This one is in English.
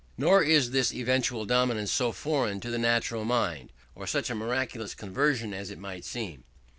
Nor is this eventual dominance so foreign to the natural mind, or such a miraculous conversion, as it might seem.